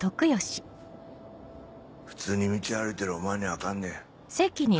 普通に道歩いてるお前には分かんねえよ。